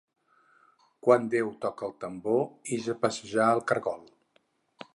Quan Déu toca el tambor ix a passejar el caragol.